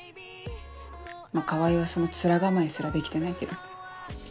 まぁ川合はその面構えすらできてないけど。